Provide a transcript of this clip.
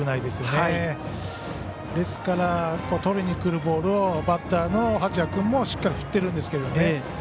ですから、とりにくるボールをバッターの八谷君もしっかり振ってるんですけどね。